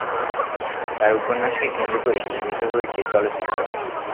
তার উপন্যাসকে কেন্দ্র করে নির্মিত হয়েছে চলচ্চিত্র।